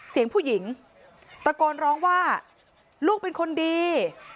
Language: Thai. เสียงผู้หญิงตะโกนร้องว่าลูกเป็นคนดี